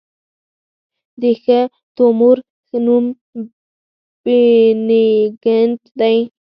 د ښه تومور نوم بېنیګنټ دی.